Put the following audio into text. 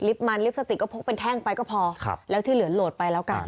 มันลิปสติกก็พกเป็นแท่งไปก็พอแล้วที่เหลือโหลดไปแล้วกัน